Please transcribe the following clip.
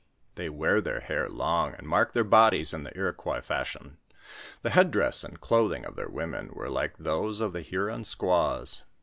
They wear their hair long and mark their bodies in the Iroquois fashion ; the head dress and clothing of their women were like those of the Huron squaws.